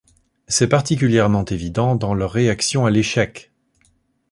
C'est particulièrement évident dans leur réaction à l'échec.